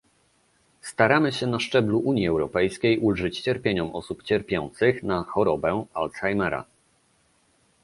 Staramy się na szczeblu Unii Europejskiej ulżyć cierpieniom osób cierpiących na chorobę Alzheimera